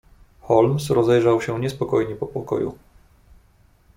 "Holmes rozejrzał się niespokojnie po pokoju."